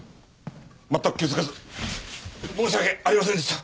全く気づかず申し訳ありませんでした。